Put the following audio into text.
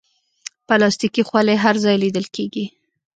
پلاستيکي خولۍ هر ځای لیدل کېږي.